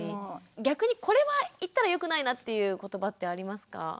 逆にこれは言ったらよくないなっていう言葉ってありますか？